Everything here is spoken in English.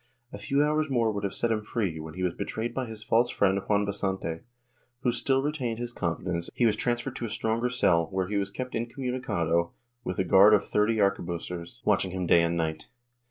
A few hours more would have set him free wken he was betrayed by his false friend Juan Basante, who still retained his confidence and was to share his flight. He was transferred to a stronger cell, where he was kept incomunicado, with a guard of thirty arque busiers, watching him day and night.